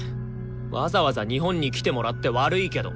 わざわざ日本に来てもらって悪いけど。